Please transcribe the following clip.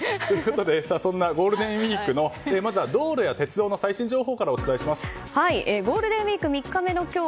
そんなゴールデンウィークの道路や鉄道の最新情報からゴールデンウィーク３日目の今日